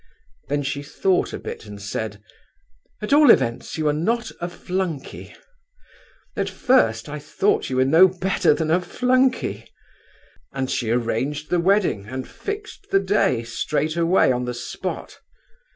Then she thought a bit, and said, 'At all events, you are not a flunkey; at first, I thought you were no better than a flunkey.' And she arranged the wedding and fixed the day straight away on the spot.